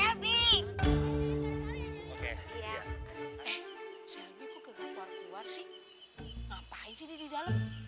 eh shelby kok nggak keluar keluar sih